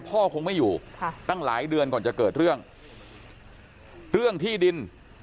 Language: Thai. พ่อคงไม่อยู่ตั้งหลายเดือนก่อนจะเกิดเรื่องที่ดิน